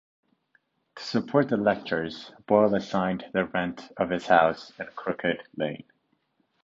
To support the lectures, Boyle assigned the rent of his house in Crooked Lane.